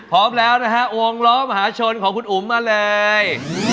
พร้อมแล้วนะฮะวงล้อมหาชนของคุณอุ๋มมาเลย